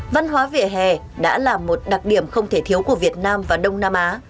văn hóa vỉa hè đã là một đặc điểm không thể thiếu của việt nam và đông nam á